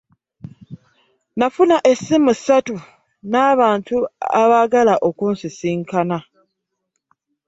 Nafuna essimu ssatu ng'abantu baagala kunsisinkana.